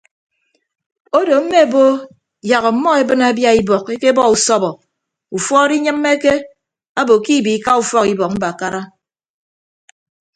Odo mme bo yak ọmmọ ebịne abia ibọk ekebọ usọbọ ufuọd inyịmmeke abo ke ibiika ufọk ibọk mbakara.